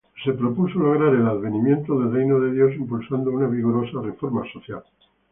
Se propuso lograr el advenimiento del Reino de Dios impulsando una vigorosa reforma social.